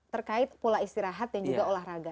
terkait pola istirahat dan juga olahraga